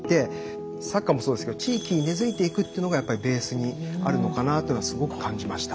サッカーもそうですけど地域に根づいていくっていうのがやっぱりベースにあるのかなっていうのはすごく感じました。